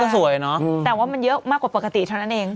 สวยเนอะแต่ว่ามันเยอะมากกว่าปกติเท่านั้นเอง